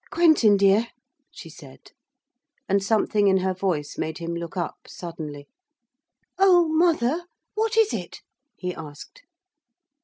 'Quentin dear,' she said, and something in her voice made him look up suddenly. 'Oh, mother, what is it?' he asked.